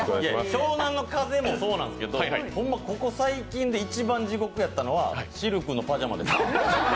湘南乃風もそうなんですけど、ホンマここ最近で一番地獄やったのはシルクのパジャマでした。